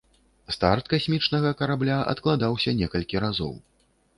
Старт касмічнага карабля адкладаўся некалькі разоў.